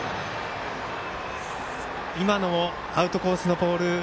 今のアウトコースのボール